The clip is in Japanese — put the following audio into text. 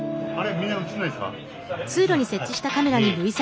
みんな映らないんですか？